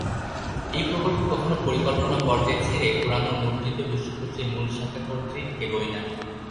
এই প্রকল্প কখনো পরিকল্পনা পর্যায় ছেড়ে পুরানো মুদ্রিত বিশ্বকোষের মূল শাখা কর্তৃক এগোয় না।